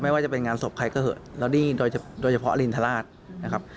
ว่าจะเป็นงานศพใครก็เหอะแล้วนี่โดยเฉพาะรินทราชนะครับ